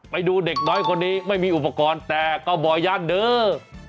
ไปดูเด็กน้อยคนนี้ไม่มีอุปกรณ์แต่ก็บ่อย่านเด้อ